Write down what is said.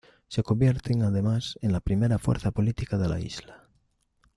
Se convierten además en la primera fuerza política de la isla.